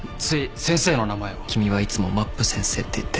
君はいつもまっぷ先生って言ってる。